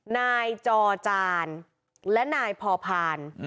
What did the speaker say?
นายจอจานและนายพอพาน